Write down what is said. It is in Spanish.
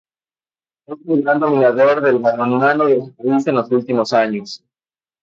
Es el gran dominador del balonmano de su país en los últimos años.